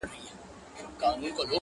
هغه اوس گل كنـدهار مـــاتــه پــرېــږدي.